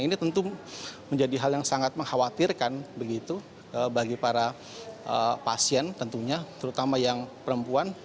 ini tentu menjadi hal yang sangat mengkhawatirkan begitu bagi para pasien tentunya terutama yang perempuan